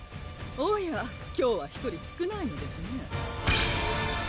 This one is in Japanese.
おや今日は１人少ないのですね